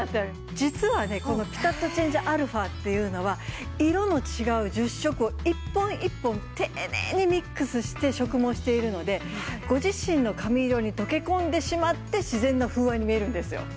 実はねこのピタットチェンジαっていうのは色の違う１０色を一本一本丁寧にミックスして植毛しているのでご自身の髪色に溶け込んでしまって自然な風合いに見えるんですよ。